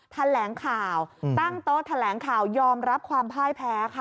แถลงข่าวตั้งโต๊ะแถลงข่าวยอมรับความพ่ายแพ้ค่ะ